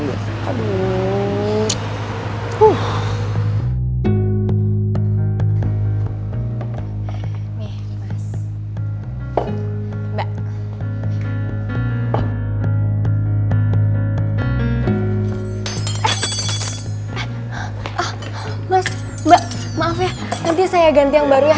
eh eh ah mas mbak maaf ya nanti saya ganti yang baru ya